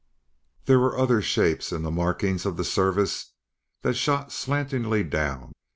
There were other shapes in the markings of the Service that shot slantingly down.